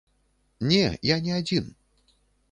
Не, я не адзін.